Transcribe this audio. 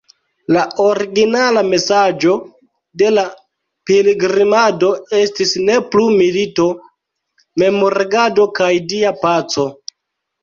La originala mesaĝo de la pilgrimado estis "Ne plu milito", "Memregado" kaj "Dia paco".